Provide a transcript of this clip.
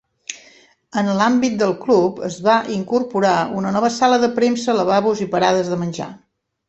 En l'àmbit del Club, es va incorporar una nova sala de premsa, lavabos i parades de menjar.